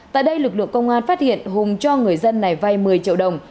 tại đây lực lượng công an phát hiện hùng cho người dân này vay một mươi triệu đồng